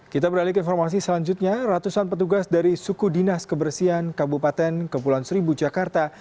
kita beralih ke informasi selanjutnya ratusan petugas dari suku dinas kebersihan kabupaten kepulauan seribu jakarta